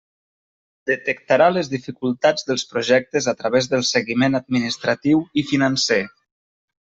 Detectarà les dificultats dels projectes a través del seguiment administratiu i financer.